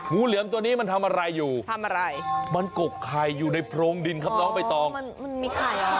งูเหลืองตัวนี้มันทำอะไรอยู่มันกกไข่อยู่ในโพรงดินครับน้องพี่ตองมีไข่เหรอ